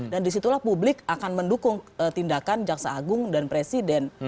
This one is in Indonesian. dan disitulah publik akan mendukung tindakan jaksa agung dan presiden